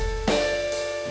yuk kita tanya yuk